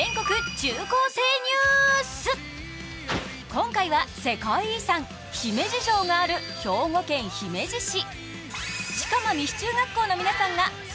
今回は世界遺産・姫路城がある兵庫県姫路市。